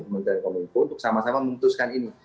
pemerintah dan pemerintah untuk sama sama memutuskan ini